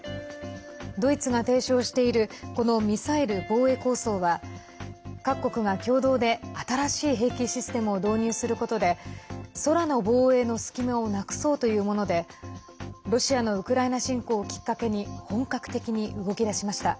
ドイツが提唱しているこのミサイル防衛構想は各国が共同で新しい兵器システムを導入することで空の防衛の隙間をなくそうというものでロシアのウクライナ侵攻をきっかけに本格的に動き出しました。